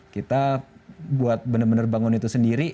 kita buat benar benar bangun itu sendiri